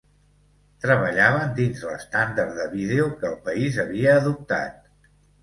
Treballaven dins l'estàndard de vídeo que el país havia adoptat.